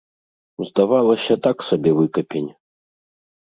Здавалася, так сабе выкапень.